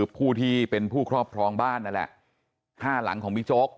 ผู้ที่เป็นผู้ครอบครองบ้านนั่นแหละ๕หลังของบิ๊กโจ๊ก